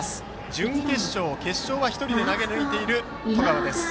準決勝、決勝は１人で投げ抜いています。